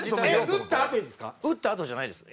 打ったあとじゃないです。